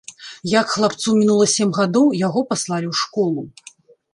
Як хлапцу мінула сем гадоў, яго паслалі ў школу.